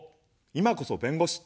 いまこそ弁護士。